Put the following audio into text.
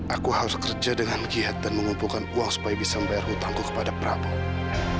aku harus kerja dengan giat dan mengumpulkan uang supaya bisa membayar hutangku kepada prabowo